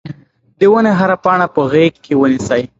د ونې هره پاڼه په غېږ کې ونیسئ.